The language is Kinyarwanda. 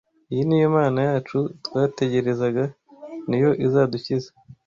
Iyi ni yo Mana yacu twategerezaga ni yo izadukiza